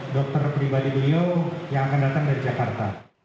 dokter pribadi beliau yang akan datang dari jakarta